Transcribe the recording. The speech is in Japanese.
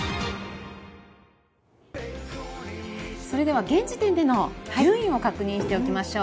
それでは現時点での順位を確認しておきましょう。